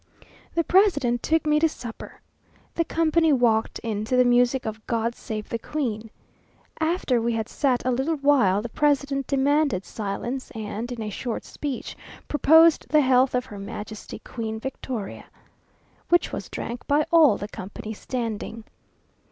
The president took me to supper. The company walked in to the music of "God save the Queen." After we had sat a little while the president demanded silence, and, in a short speech, proposed the health of Her Majesty Queen Victoria, which was drank by all the company standing.